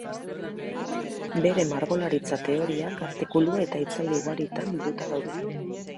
Bere margolaritza teoriak, artikulu eta hitzaldi ugaritan bilduta daude.